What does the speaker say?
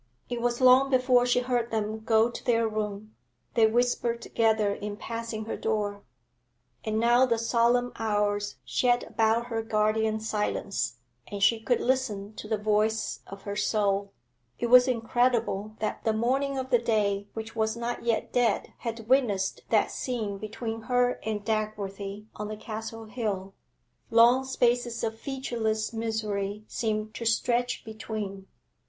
It was long before she heard them go to their room; they whispered together in passing her door. And now the solemn hours shed about her guardian silence, and she could listen to the voice of her soul. It was incredible that the morning of the day which was not yet dead had witnessed that scene between her and Dagworthy on the Castle Hill; long spaces of featureless misery seem to stretch between.